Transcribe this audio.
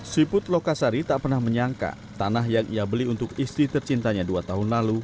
siput lokasari tak pernah menyangka tanah yang ia beli untuk istri tercintanya dua tahun lalu